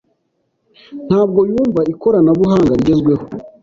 Ntabwo yumva ikoranabuhanga rigezweho.